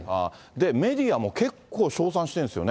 メディアも結構、称賛してるんですよね。